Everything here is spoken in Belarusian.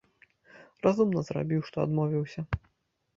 Разумна зрабіў, што адмовіўся.